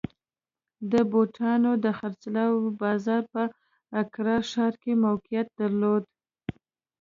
د بوټانو د خرڅلاو بازار په اکرا ښار کې موقعیت درلود.